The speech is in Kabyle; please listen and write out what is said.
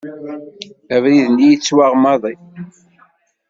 Abrid-nni γettwaɣ maḍi.